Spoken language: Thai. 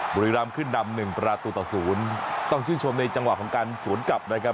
บุรีรามขึ้นนำหนึ่งประตูต่อศูนย์ต้องชื่นชมในจังหวะของการสวนกลับนะครับ